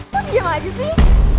kok diam aja sih